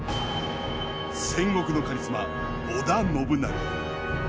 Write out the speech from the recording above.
戦国のカリスマ織田信長。